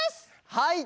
はい！